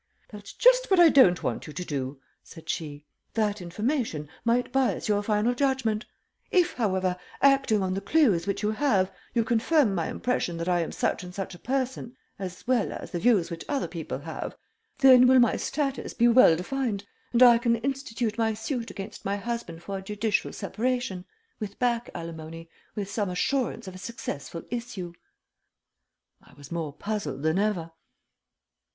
"That's just what I don't want to do," said she. "That information might bias your final judgment. If, however, acting on the clews which you have, you confirm my impression that I am such and such a person, as well as the views which other people have, then will my status be well defined and I can institute my suit against my husband for a judicial separation, with back alimony, with some assurance of a successful issue." I was more puzzled than ever.